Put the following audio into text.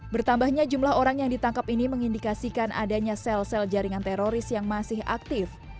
bertambahnya jumlah orang yang ditangkap ini mengindikasikan adanya sel sel jaringan teroris yang masih aktif